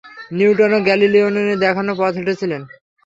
নিউটনও গ্যালিলিওর দেখানো পথে হেঁটেছিলেন।